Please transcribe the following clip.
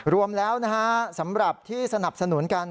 รวมแล้วนะฮะสำหรับที่สนับสนุนกัน